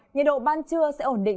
nhiệt độ ban trưa sẽ ổn định